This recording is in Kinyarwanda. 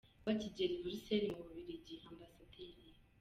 Bakigera i Buruseli mu Bubiligi, Amb.